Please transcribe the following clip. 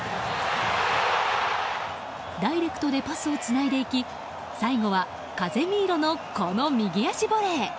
ダイレクトでパスをつないでいき最後はカゼミーロのこの右足ボレー。